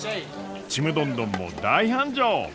ちむどんどんも大繁盛！